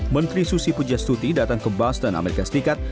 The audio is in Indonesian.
menteri susi pujias tuti datang ke boston amerika serikat